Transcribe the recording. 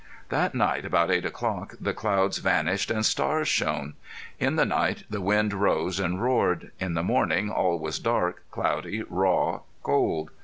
That night about eight o'clock the clouds vanished and stars shone. In the night the wind rose and roared. In the morning all was dark, cloudy, raw, cold.